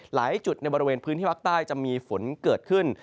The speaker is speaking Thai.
หลายจุดในบริเวณพื้นที่ภาคใต้จะมีฝนเกิดขึ้น